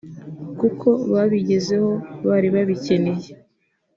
kuko bibagezeho bari babikeneye